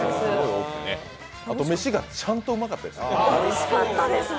あと、飯がちゃんとうまかったです。